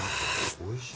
おいしい。